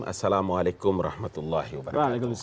assalamualaikum warahmatullahi wabarakatuh